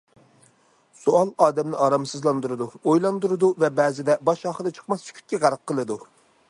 سوئال ئادەمنى ئارامسىزلاندۇرىدۇ، ئويلاندۇرىدۇ ۋە بەزىدە باش- ئاخىرى چىقماس سۈكۈتكە غەرق قىلىدۇ.